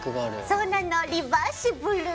そうなのリバーシブル。